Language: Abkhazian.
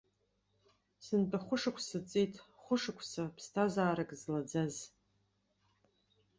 Сынтәа хәышықәса ҵит, хәышықәса, ԥсҭазаарак злаӡаз.